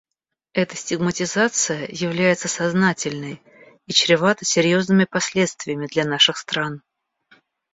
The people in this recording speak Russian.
Эта стигматизация является сознательной и чревата серьезными последствиями для наших стран.